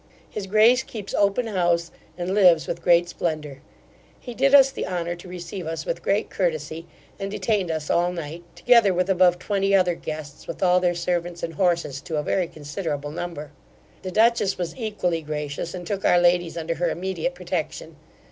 His grace keeps open house, and lives with great splendour He did us the honour to receive us with great courtesy, and detain'd us all night, together with above twenty other guests, with all their servants and horses to a very considerable number The dutchess was equally gracious, and took our ladies under her immediate protection.